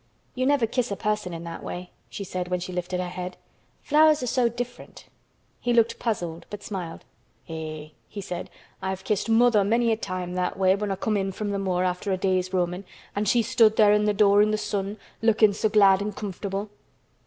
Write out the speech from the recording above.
"You never kiss a person in that way," she said when she lifted her head. "Flowers are so different." He looked puzzled but smiled. "Eh!" he said, "I've kissed mother many a time that way when I come in from th' moor after a day's roamin' an' she stood there at th' door in th' sun, lookin' so glad an' comfortable."